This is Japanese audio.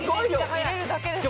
入れるだけですね。